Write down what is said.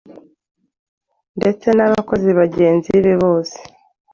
ndetse n’abakozi bagenzi be bose.